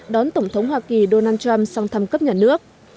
đón tổng thống hoa kỳ donald trump sang thăm cấp nhà nước